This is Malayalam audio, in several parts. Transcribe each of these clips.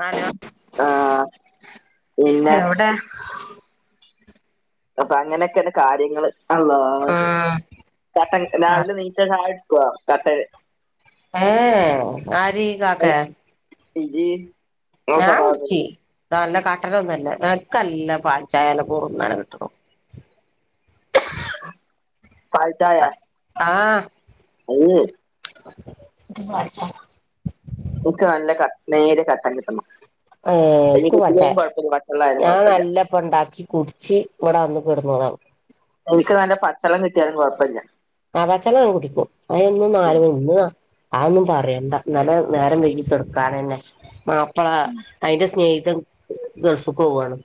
ഹലോ ആ, പിന്നെ. എവിടെ അപ്പൊ അങ്ങനൊക്കണ് കാര്യങ്ങള്. അള്ളാ, ആഹ് കട്ടൻ രാവിലെ നീച്ച ചായ കുടിക്കുവോ കട്ടൻ ഏഹ് ഏഹ് ആരി കാക്കേ. ഇജി. ഞാ കുടിച്ചീ നല്ല കട്ടൻ ഒന്നല്ല എനക്കല്ല പാൽ ചായ [unintelligible] കിട്ടണം പാൽച്ചായ ആ ആ. [unintelligible] [unintelligible] ൻക്ക് നല്ല ക നേര്യ കട്ടൻ കിട്ടണം. ഏ അയ്ന് ഇക്ക് പാൽ ചായ കിട്ടിയില്ലെങ്കിലും കൊഴപ്പല്ല പച്ചെള്ളായാലും ഞാൻ കൊഴപ്പല്ല നല്ലപ്പണ്ടാക്കി കുട്ച്ച് ഇവടെ വന്ന് വിടുന്നതാണ്. ഇന്ക്ക് നല്ല പച്ചെള്ളം കിട്ടിയാലും കെഴപ്പല്ല്യ. ആ പച്ചള്ളം ഞാ കുടിക്കും അ എന്നും ഉം [unintelligible] ഇന്ന് ആവൊന്നും പറയണ്ടാ ഇന്നല നേരം വൈകി കെടക്കാണ്തന്നെ മാപ്പള അയിന്റെ സ്നേഹി തെകു ഗർഫ്ക്ക് പോവാണ്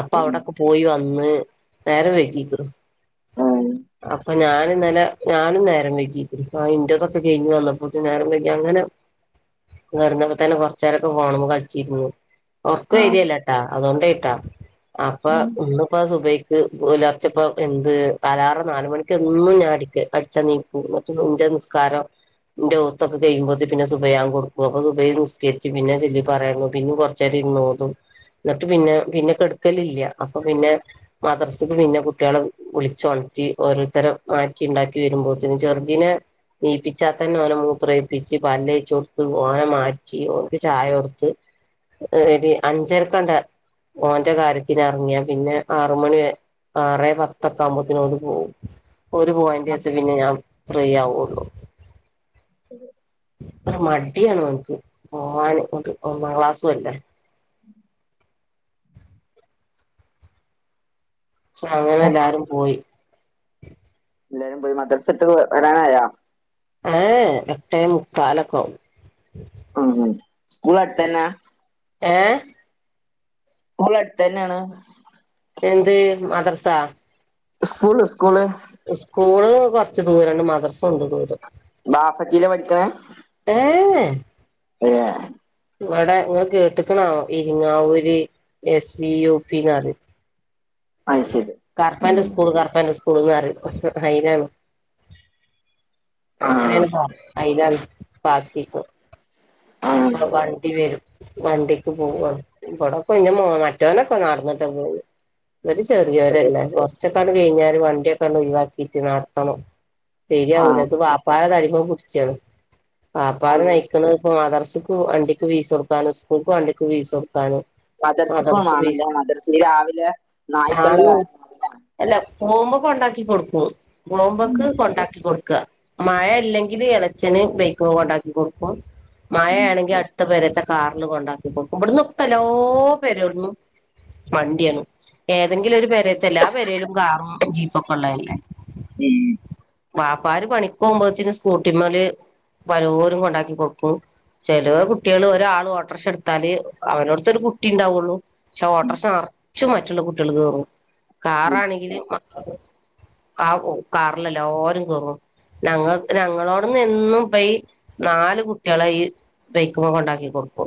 അപ്പൊ ഉം അവിടൊക്കെ പോയി വ ഒന്ന് നേരം വൈകിക്ക്ണ് ഉം ആ ഹ അപ്പൊ ഞാൻ ഇന്നല ഞാനും നേരം വൈകി ആ വിന്റെരൊക്കെ കഴിഞ്ഞ് വന്നപ്പോതെ നേരം വൈകി അങ്ങനെ വരുന്നപ്പോ തന്നെ കൊറച്ചേരക്കെ ഫോൺമേ കളിച്ചിരുന്നു ആഹ് ഒറക്കവരിയല്ലട്ടാ അതോണ്ടേട്ടാ അപ്പൊ ആഹ് ഒന്ന്പ്പ സുബേ വ് പുലർച്ചപ്പം എന്ത് അലാറം നാല് മണിക്ക് ഒന്നും ഞാൻ അടിക്ക് അടിച്ചനീ [unintelligible] നൂന്റെ നിസ്കാരം ന്റെ ഉത്തകതേഴുമ്പോത്തെ പിന്നെ സുഭയാംകൊടുക്കും അപ്പ സുഭേൽ നിസ്കരിച്ച് പിന്നെ ചൊല്ലി പറയണു പിന്നെ കൊറച്ചേരം ഇന്നോതും എന്നിട്ട് പിന്നെ പിന്നെ കെടുക്കലില്ല അപ്പൊ പിന്നെ മദ്രസിക്ക് പിന്നെ കുട്ടികളെ വിളിച്ചോണ്ട് ത്തി ഓരോ തരം മാറ്റി ഉണ്ടാക്കി വരുമ്പോത്തിന് ചെറുതിന് നീപ്പിച്ചാൽ തന്ന ഓന മൂത്രേഴിപ്പിച്ച് പല്ലേച്ച് കൊടുത്ത് ഓന മാറ്റി ഓനക്ക് ചായ കൊടുത്ത് ഏടി അഞ്ചരക്കൊണ്ട് ഓന്റെ കാര്യത്തിനെറങ്ങിയ പിന്നെ ആറ് മണിവേ ആറേ പത്തൊക്ക ആവുമ്പത്തിന് പോവും ഒരു പോയിന്റ് അടിച്ച് പിന്നെ ഞാൻ ഫ്രീ ആവുള്ളു അതെ മടിയാണ് ഓനിക്ക് പോവാന് ഒൻക്ക് ഒന്നാം ക്ലാസുവല്ലാ അങ്ങനെ എല്ലാരും പോയി എല്ലരും പോയി മദ്രസക്ക് വരാനായാ ഏഹ് എട്ടേ മുക്കാലൊക്കാവും ആം സ്കൂൾ അടുത്തന്നാ ഏഹ് സ്കൂള് അടുത്തന്നാണ് എന്ത് മദർസാ സ്കൂള് സ്കൂള് സ്കൂള് കൊറച്ച് ദൂരംണ്ട് മദ്രസണ്ട് ദൂരം ബാപ്പക്കീലാ പഠിക്കണേ ഏഹ് [inaudible] ഇവടെ ഇങ്ങള് കേട്ട്ക്ക്ണോ ആവോ ഇരിങ്ങാവൂരി എസ് വി യു പി ന്ന് പറയും അത് ശരി കർത്താന്റെ ഉം. സ്കൂള് കർത്താന്റെ സ് ക്കൂള് ന്നറിയും അയിനാണ് ആഹ് അങ്ങനെണ് പ അയ്ലാണ് [unintelligible] ആഹ് അപ്പൊ വണ്ടി വെരും വണ്ടിക്ക് പോവാണ് ഇവിടെപ്പൊ ന്റെ മോ മറ്റോനൊക്കെ നടന്നിട്ടാപോവല് ഇവല് അതെ ചെറിയോരല്ലേ കൊർച്ചൊക്കാണ്ട് കയ്ഞ്ഞാല് വണ്ടിയൊക്കാണ്ടൊഴിവാക്കിട്ട് നടത്തണം ആഹ് ശരിയാവൂല ഇത് വാപ്പാരെ തടിമ്മെ പിട്ച്ചാണ് വാപ്പാരെ ആഹ് നയിക്കണത്പ്പൊ മദറസ് ക്ക് വണ്ടിക്ക് ഫീസൊടുക്കാനും ഉസ്കൂൾക്ക് വണ്ടിക്ക് ഫീസൊ മദർസ്ക്കും വാണല്ലേ മദ്രസില് രാവിലെ നായ്ക്കള്ള്ള ആന്ന് കാര അല്ല പോകുമ്പോ കൊണ്ടാക്കി കൊടുക്കും ഉം പോമ്പൊക്ക് കൊണ്ടാക്കി കൊട്ക്ക മഴല്ലെങ്കിൽഎളച്ചന് ബെയ്ക്ക്മ്മെ കൊണ്ടാക്കി കൊടുക്കും ഉം മഴേണെങ്കിൽ അട്ത്ത പെരേ ത്ത കാറില്കൊണ്ടാക്കിക്കൊട്ക്കും ഇവ്ട്ന്നൊക്കെല്ലാ പെരള്ന്നും വണ്ടിയാണ് ഏതെങ്കിലും ഒരു പെരേത്തെ എല്ലാ പെരേലും കാറും ജീപ്പൊക്കെള്ളതല്ലേ ഉം വാപ്പാര് പണിക്കോമ്പത്തിന് സ്കൂട്ടിമ്മല് പലോരും കൊണ്ടാക്കി കൊട്ക്കും ചെലോ കുട്ട്യാള് ഒരാള് ഓട്ടർഷ ഇട്ത്താല് അവലെട്ത്തൊരു കുട്ടി ണ്ടാവുള്ളു ഷേ ഓട്ടർഷ നർച്ചും മറ്റുള്ള കുട്ട്യാള് കേറും ഉം കാറാണെങ്കില് മ ആ ഒ കാറിലെല്ലാരും കേറും ഞങ്ങ ഞങ്ങളോട്ന്നെന്നും പെയ്യീ നാല് കുട്ട്യാളെ ഈ [unintelligible] ഒണ്ടാക്കി കൊടുക്കുവോ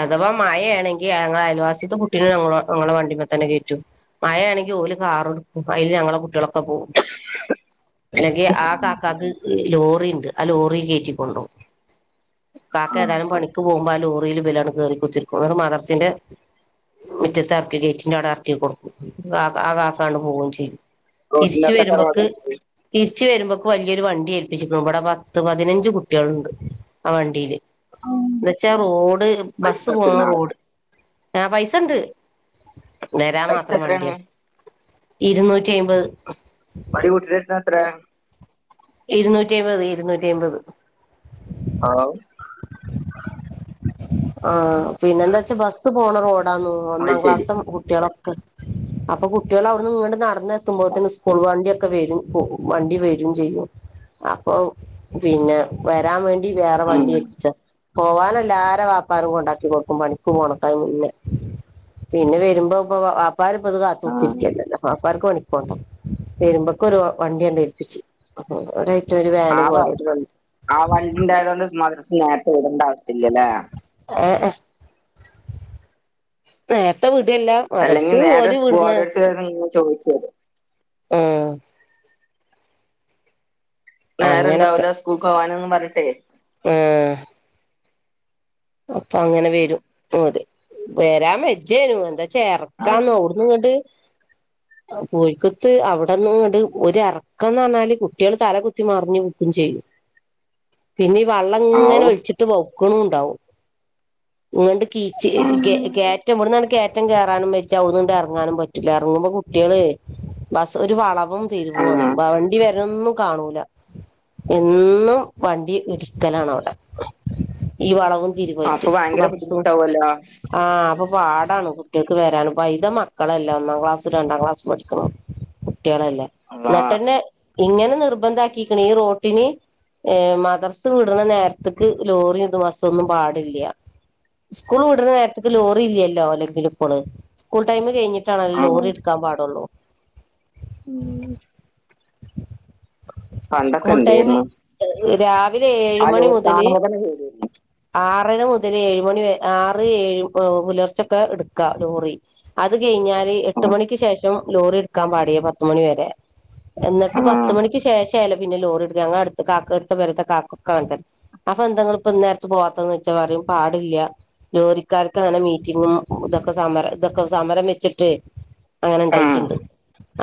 അഥവാ മയയാണെങ്കിൽ ഞങ്ങളാഅയിൽവാസി കുട്ടീങ്ങളെ ഞങ്ങടെ വണ്ടിമ്മ തന്നെ കേ മഴയാണെങ്കി ഓല് കാറ് എടുക്കും അയില് ഞങ്ങളെ കുട്ടികളൊക്കെ പോകും അല്ലെങ്കി ആ ഉം. കാക്കാക്ക് ലോറി ഇണ്ട് ആ ലോറി കേറ്റി കൊണ്ടുപോ കാക്ക ആഹ് ഏതായാലും പണിക്ക് പോകുമ്പും ലോറീല് ബെലണ്ട് കേറി കുത്തിരിക്കും ന്ന്ട്ട് മദർസിന്റെ മുറ്റത്തർക്കി ഗേറ്റിന്റെ അവിടെ ഏർ ക്കി കൊടുക്കും കാ ആ കാക്കാണ്ട് പോവോം ചെയ്യും തിരിച്ച് റോട്ടിലൊക്കെ എത്ര വരുമ്പോക്ക് മദർസ്? തിരിച്ച് വരുമ്പോക് പ്പൊ വല്ല്യോരു വണ്ടി ഏൽപ്പിച്ച്ക്കുണു ഇവിടെ പത്ത് പതിനഞ്ച് കുട്ടികളുണ്ട് ആ വണ്ടീല് ആഹ് ന്നേച്ചാ റോഡ് പൈസ ബസ് പോണ കൊടുത്ത്ക്ക്ണോ റോഡ് ആ പൈസ ഇണ്ട് വരാൻ പൈസ മാത്രം എത്രയാണ് വണ്ടിയാ ഇരുന്നൂ നൂറ്റയ്മ്പത് ഒരു കൂട്ടരേര്ത്ത്ന്നെത്രേ ഇരുന്നൂറ്റി അയിമ്പത് ഇരുന്നൂറ്റി അയിമ്പത് ആ വ് ആ പിന്നെ എന്താ വെച്ചാ ബസ്സ് പോണ റോഡാന്ന് അത് ഒന്നാം ശരി ക്ലാസ്സും കുട്ടികളൊ അപ്പൊ കുട്ടികൾ അവിടുന്ന് ഇങ്ങോട്ട് നടന്ന് എത്തുമ്പോതേനും സ്കൂൾ വണ്ടി ക്കെ വരും പോവും വണ്ടി വരും ചെയ്യും അപ്പൊ പിന്നെ വരാൻ വേണ്ടി ഇ വേറെ ഉം വണ്ടി ഏൽപ്പിച്ചാ പോവാനല്ല ആരാ [unintelligible] [unintelligible] ഉണ്ടാക്കി കൊടുക്കും പണിക്കും [unintelligible] പിന്നെ പിന്നെ വരുമ്പോ ഇപ്പൊ [unintelligible] കൊ പ് ആഹ് ല്ല വരുമ്പോക്ക കൊറെ വണ്ടിയന്നെ ഏൽപ്പിച്ച് ഒരു ആ വാന് വാ പോലെ ഒരു വണ്ടി ആ വണ്ടി ഉണ്ടായതോണ്ട് [unintelligible] മദ്രസനേരത്തെ വിടേണ്ട ആവശ്യ ഇല്ലല്ലേ അ അ നേരത്തെ വീ ഇതെല്ലാം മദ്രസ് ഓര് വിടണ ചോയിച്ചേ ആ അങ്ങനൊക്കെ നേരെണ്ടാവൂല്ല സ്കൂക്ക് പോവാനന്നും പറഞ്ഞിട്ടെ ആഹ് അപ്പൊ അങ്ങനെ വെരും. അതെ വരാൻ വെച്ചേനു, എന്താ ആഹ് ചേർക്കാന്ന് ഔട്ന്ന്ങ്ങണ്ട് പോഴിക്കുത്ത് അവിടെന്ന് അങ്ങോട്ട്‌ ഒരു ഇറക്കം എന്ന് പറഞ്ഞാല് കുട്ടികള് തല കുത്തി മറിഞ്ഞ് [unintelligible] ചെയ്യും പിന്നെ വെള്ളം ഇങ്ങനെ ആവൂ ഒലിച്ചിട്ട് [unintelligible] ഉണ്ടാവും വേണ്ട് കീച്ച് കേ ആഹ് കേറ്റം ഇവിടുന്ന് അങ്ങോ കേറാനും ബെജ്ജ അവിടന്ന് ഇങ്ങട്ട് ഇറങ്ങാനും പറ്റൂല്ല ഇറങ്ങുമ്പോ കുട്ടികളേ ബസ് ഒരു വള മൊത്തം തിരുവാണ് ആഹ് വണ്ടി വരുന്നേയൊന്നും കാണൂല എന്നും വണ്ടി ഇടിക്കലാണ് അവിടെ ഈ വളവും [unintelligible] പോയിട്ട് അപ്പൊ ഭയങ്കര ബസ്സും ബുദ്ധിമുട്ടാവല്ലോ ആ അപ്പൊ പാടാണ് കുട്ടികൾക്ക് വരാന് പൈതൽ മക്കളല്ലേ ഒന്നാം ക്ലാസ്സും രണ്ടാം ക്ലാസ്സും പഠിക്കണേ കുട്ടികളല്ലേ അള്ളാ പെട്ടെന്ന് ഇങ്ങനെ നിർബന്ധ ആക്കിക്കണ ഈ റോട്ടിന് ഏ മദർസ് വിടണ നേരത്തേക്ക് ലോറിത് ബസൊന്നും പാടി സ്കൂൾ വിടുന്ന നേരത്തേക്ക് ലോറി ഇല്ലല്ലോ അല്ലെങ്കിൽ ഇപ്പള് സ്കൂൾ ടൈംമ് കഴിഞ്ഞിട്ട [unintelligible] ആഹ് ലോറി എടുക്കാൻ പാടുള്ളൂ ഉം പണ്ടൊക്കെ സ്കൂൾ ടൈം എന്തായിരുന്നു രാവിലെ ഏഴ് മണി മുതല് പേടിയായിരുന്നു ആറര മുതല് ഏഴുമണി ആറ് ഏഴ് പുലർച്ചൊക്കെ എടുക്കാ ലോറി അത് കഴി അത് കഴിഞ്ഞാല് എട്ട് ആഹ് മണിക്ക് ശേഷം ലോറി എടുക്കാൻ പാടിയേ പത്തുമണി വരെ എന്നിട്ട് പത്ത് മണിക്ക് ശേഷം ചേല പിന്നെ ലോറിട്ക്കും ഞങ്ങടുത്ത്കാക്കവയൽത്തെ കാക്കൊക്കങ്ങൻ തെന്നെ അപ്പൊ ന്താ ങ്ങള് ഇന്നേരത്ത് പോവാ ത്തേന്ന് ചോയ്ച്ച പറയും പാടില്ല ലോറിക്കാർക്ക് അങ്ങനെ മീറ്റിങ്ങും ഇതൊക്കെ സമരം ഇതൊക്കെ സമരം വെച്ച്ട്ട് അങ്ങനെ ആഹ് ണ്ടായിട്ട്ണ്ട്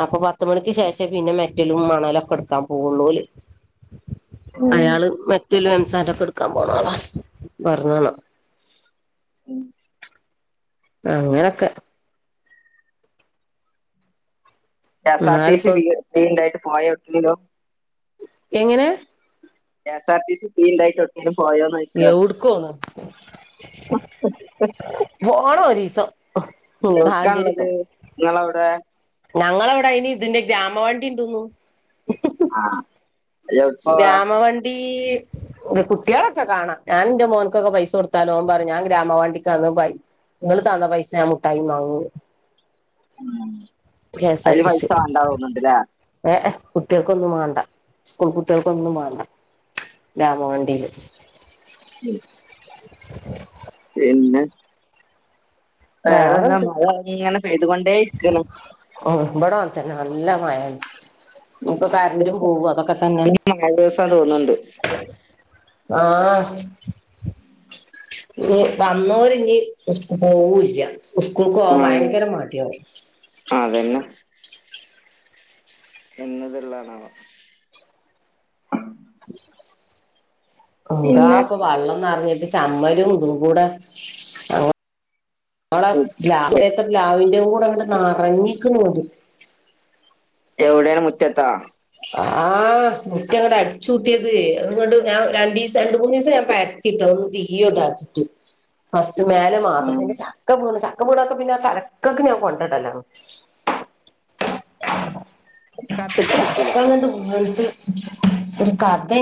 അപ്പൊ പത്ത്മണിക്ക്ശേഷെ പിന്നെമെറ്റലും മണലൊക്കെ ഇട്ക്കാൻ പോവള്ളോല് ഉം അയാള് മെറ്റല് എംസാൻഡ് എടുക്കാൻ പോണം അതാ ഉം [unintelligible] അങ്ങനക്കെ കെ സാർ ടി സി എന്നാലിപ്പോ ഫ്രീ ഫ്രീ ഇണ്ടായിട്ട് പോ [unintelligible] എങ്ങനെ K sir T C free [unintelligible] പോയൊന്ന് ചോയിക്കാ എവിടുക്കോണ് പോണം ഇങ്ങളവടെ [unintelligible] ഞങ്ങളവടെ അയിന് ഇതിന്റെ ഗ്രാമവണ്ടിണ്ടിന്നു ആഹ് എവ്ട്ക്കോവാ ഗ്രാമവണ്ടി ഈഹ് കുട്ടികളൊക്കെ കാണാം ഞാൻന്റെ മോനക്കൊക്കെ പൈസ കൊടുത്താലോൻപറയോ ഞാൻ ഗ്രാമവണ്ടിക്കന്ന് പയും ഇങ്ങള്തന്ന പൈസ ഞാ മുട്ടായി വാങ്ങു ഉം കെ സാർ അയില് ടി സി പൈസ വാണ്ടാ തോന്ന്ണ്ട്ല്ലേ [unintelligible] കുട്ടികക്കൊന്നും വേണ്ട സ്കൂൾ കുട്ടികൾക്കൊന്നും വേണ്ട ഗ്രാമവണ്ടില് ഉം വേറെന്താ വേറെന്ത് മഴഅങ്ങനെപെയ്തുകൊണ്ടേ ഇരിക്കണ് ഓ ഇവിടെനെതന്നെനല്ലമായഇണ്ട് നമുക്ക് മഴ കറണ്ട് ദിവസം പോകും അതൊക്കെ തന്നെ ഇനി മഴ ദിവസാ തോന്നുന്നുണ്ട് ആഹ [unintelligible] ഇനി വന്നോരിനിതിരിച്ച്പോകൂല്ല സ്കൂൾക്ക് പോവാൻ ഭയങ്കരമടിയ ആ അതന്നെ എന്നതെല്ലാണവ എന്താ അപ്പൊവള്ളംന്നറിഞ്ഞിട്ട് ചമ്മലും ഇതും കൂടെഅ നമ്മള എ ലാവത്തെ പലാവിന്റെയും കൂടെ അങ്ങ് നറഞ്ഞിക്ക് തോ എവിടെയാണ് മുറ്റത്താ ആഹ് മുറ്റഅങ്ങോട്ട്അടിചൂട്ടിയത് അങ്ങൊണ്ട് ഞാൻ രണ്ടിവസം രണ്ട മൂന്ന്ദിവസം ഞാൻ പ കിട്ടന്ന് തീണ്ടാച്ചിട്ട് ഫസ്റ്റ് മേലെ ആഹ് മാത്രചിന്റെചക്കവീണ് ചക്ക മൂടക്കെ പിന്നെ ആ തരക്കൊക്ക ഞാൻ കൊണ്ടിടല് നിർക്കാത്തിട്ടേക്കൂല ഹവൾട്ട ഒരു കഥയ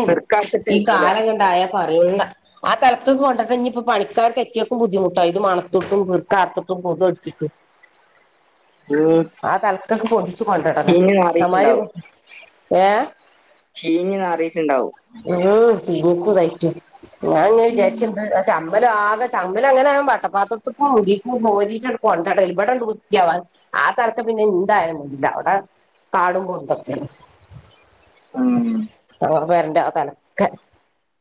ഈ നിർക്കാത്തിട്ടേക്കൂല കാലങ്ങണ്ടായ പറയുന്ന ആ തലത്തൊക്ക കൊണ്ടിട്ട ഇനി ഇപ്പൊ പണിക്കാർക്ക്റ്റയൊക്കും ബുദ്ധിമുട്ടായി ഇത് മണത്തിട്ടും വീർത്താർത്തോട്ടും പൊത്‌അടിച്ചിട്ട് [unintelligible] ഉം ത്കൊണ്ടിടാല് ചീഞ്ഞ് ലവമ്മാര് ഏഹ് ചീഞ്ഞിനാറിയിട്ടുണ്ടാവും ചീനിക്കുന്നതായിട്ട് ഉം ഞാൻഎന്നാവിചാരിച്ച്എന്താചമ്മ അമ്മല ആകെ ചമ്മല് അങ്ങന ആ വട്ടപ്പാത്രത്തിക്കുംമുരിക്കും പോരിട്ട് കൊണ്ടടല് ഇവിടെണ്ട് വൃത്തിആവാൻ ആ തർക്കപിന്നെഎന്തായാലുംപൊണ്ടില്ല അവിടെകാടുംപോറത്ത് ഒക്കെയേണ് മ്മ് വേറെണ്ടആതൊടുക്കെ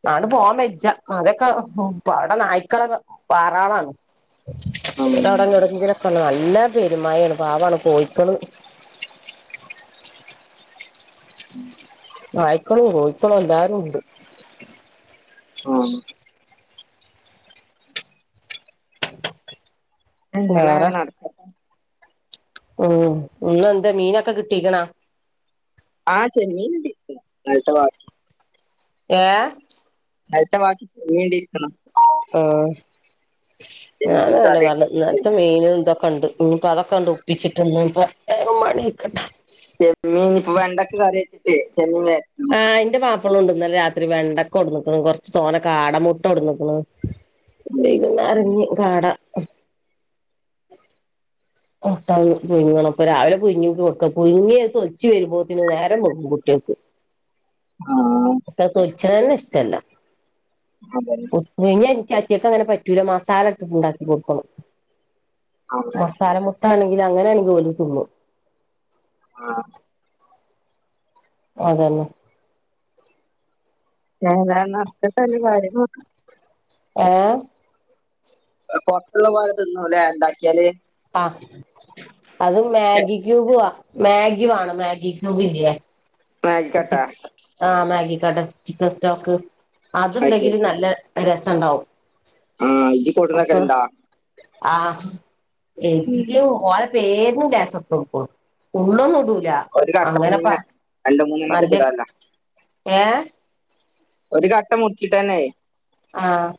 നാട്പോൻവജജമതൊക്കെ ഉ പാടെ നായ്ക്കളൊക്കെവാറാളണ്ട് ഉം ഇവടങ്ങ്ചിലൊക്കെ നല്ല പെരുമായാണ് പാവാണ് പോയി ക്കള് ഉം നായ്ക്കളും കോയിക്കളും എല്ലാരും ഉണ്ട് ആഹ് അങ്ങനെ വേറെ നടക്ക ഉം ഇന്ന് എന്താ മീനൊക്കെ കിട്ടിക്കണാ ആ ചെമ്മീൻ കിട്ടി ഏ അടുത്ത ബാക്കി വീണ്ടിയിരിക്കണം ആ ചെമ്മീൻ ഞാന് അതന്നെ കറി പറഞ്ഞെ ഇന്നലത്തെ വെക്കാൻ മീനും ഇതൊക്കെ ഉണ്ട് ഉം അതൊക്കെ ഒണ്ട് ഒപ്പിച്ചിട്ട് ഇന്ന് വേഗം പണിഇക്കട്ടെ ചെമ്മീൻ ഇപ്പൊ വെണ്ടൊക്കെ കറി വെച്ചിട്ട് ചെമ്മീന് ആ എന്റെ വാ ക്കളുണ്ട് ഇന്നലെ രാത്രി വെണ്ടക്ക കൊണ്ട് വന്നേക്കണു കൊറച്ച് തോനെ കാട മുട്ട കൊട് ന്നേക്കണ് ഉം [unintelligible] അറിഞ്ഞ് കാടാ കൊട്ട പുഴുങ്ങണം അപ്പൊ രാവിലെ പുഴുങ്ങി കൊക്ക പുഴുങ്ങിത്തൊച്ചു വരുമ്പോത്തിനു നേരം പോകും കുട്ടി ക്ക്‌ ആഹ് ക്ക്‌ തൊൽച്ചതന്നെ ഇഷ്ടല്ല അതന്നെ പുഴുങ്ങിയ എനിക്ക് ട്ടികൾക്ക് അങ്ങനെ പറ്റൂല്ല മസാല ഇട്ടിട്ട് ഇണ്ടാക്കി കൊടുക്കണം ആഹ് മസാല ണെങ്കിൽ അങ്ങനെയാണെങ്കി ഓല് തിന്നും ആഹ് അതന്നെ ഏതാ നക്ക തല്ല കാര്യം നക്ക [unintelligible] ഏ പൊട്ടുള്ള പോലെ തിന്നുല്ലേ ഇണ്ടാക്കിയാല് ആ അത് മാഗി ക്യൂബുവാ മാഗി വേണം മാഗിക്യൂബ് ല്ല്യേ മാഗി കട്ടാ ആ മാഗി ചിക്കൻ സ്റ്റോക്ക് അത് ശരി അത്ണ്ടെങ്കിലും നല്ല രസം ഇണ്ടാവും ആഹ് ഇജ്ജ് കൊണ്ട്ന്നാക്കലണ്ടാ ആ എനിക്ക് ഓന് പേരന്നില്ല സ്വപ്പം പോ ഉള്ളൊന്നു ഇടൂ ല്ല ഒരു അങ്ങനെപ്പാ കട്ടമ്മന്നന്നെ രണ്ട് മൂന്നെണ്ണത്തെക്ക്‌ ഇടാല്ല ഏ ഒരു കട്ട മുറിച്ചിട്ടന്നെ ആഹ്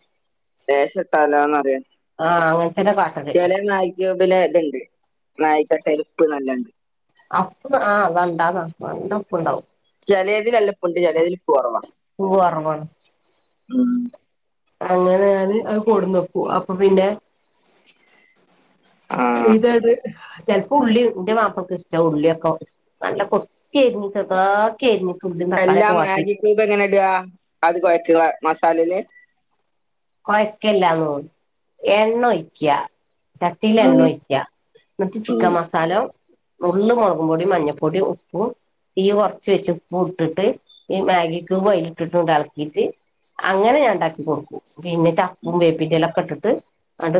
ലേശം ഇട്ടാലോന്ന്റിയാൻ ആഹ് അങ്ങനത്തന്നെ കാട്ടല് ചില മ്യാഗി ക്യൂബില് ഇതുണ്ട് മ്യാഗിക്കട്ടേലുപ്പ് നല്ലണ്ട് അപ്പ് ആ അതാണ്ടാവ നല്ലപ്പുണ്ടാവും ചിലതിൽല്ലപ്പണ്ട് ചിലതിൽഉപ്പ് കുറവാ ഉപ്പ് മ് അങ്ങനെത് അത് കൊടുനപ്പു അപ്പൊ പിന്നെ ആഹ് ഇതാട് ചിലപ്പോ ഉള്ളി ന്റെ മാപ്പിളക്കെ ഇഷ്ട ഉള്ളിയൊക്കെ നല്ല കൊത്തി അരിഞ്ഞിട്ടൊക്കെ ചെറുതാക്കി അരിഞ്ഞു എല്ലാ മാഗി ക്യൂബ് എങ്ങനെ ഇട്കാ അത് കുഴക്കുക മസാലയില് കൊഴക്കല്ലാന്നു എണ്ണ ഒയ്ക്ക ചട്ടിയില് എണ്ണ ഉം ഒയ്ക്കാ എന്നിട്ട് ഉം ചിക്കൻ മസാലോ നുള്ള് മുളകും പൊടി മഞ്ഞൾപ്പൊടി ഉപ്പു തീ കൊറച്ച് വെച്ച് ഉപ്പും ഇട്ടിട്ട് ഈ മ്യാഗി ക്യൂബ് അയിലിട്ടിട്ടു ഇളക്കിയിട്ട് അങ്ങനെ ഞാൻ ഇണ്ടാക്കി കൊടുക്കും പിന്നെ ചപ്പും വേപ്പിന്റെലൊക്കെ ഇട്ടിട്ട് അത്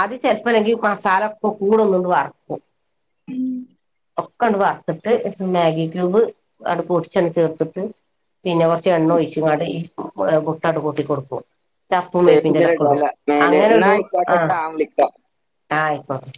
ആദ്യം ചെലപ്പല്ലെങ്കി മസാല ഒക്കെ കൂടെ ഒന്നണ്ട് വറക്കും ഉം ഒക്കെണ്ട് വറത്തിട്ട് മ്യാഗി ക്യൂബ് അവിടെ പൊടിച്ചൊന്ന് ചേർത്തിട്ട് പിന്നെ കൊറച്ച് എണ്ണ ഒഴിച്ചപാട് ഈ മുട്ടഅങ്ങ് ‌ കൂട്ടി കൊടുക്കും തപ്പും വേപ്പിന്റെ വേപ്പിൻന്റെഇലയൊക്കെ ഒരു ഇടും ഇല മേലെ അങ്ങനെ എന്നാ ഇടും ആ ആയിക്കോട്ടെ ട്ടാ ഞാൻ വിളിക്കാം ആയിക്കോട്ടെ